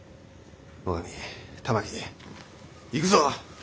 尾上玉木行くぞ！